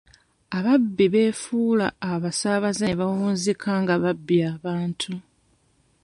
Ababbi beefuula abasaabaze ne bawunzika nga babbye abantu.